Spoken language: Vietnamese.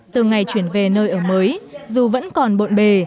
từ ngày chuyển về nơi ở mới dù vẫn còn bộn bề